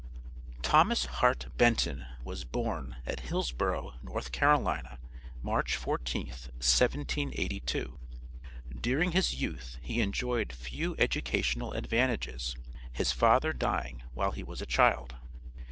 Thomas Hart Benton was born at Hillsboro, North Carolina, March 14th, 1782. During his youth he enjoyed few educational advantages, his father dying while he was a child.